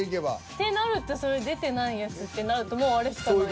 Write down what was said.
ってなると出てないやつってなるともうあれしかない。